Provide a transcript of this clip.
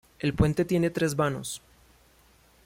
El puente tiene tres vanos.